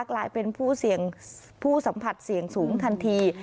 กลายเป็นผู้สัมผัสเสี่ยงสูงทันที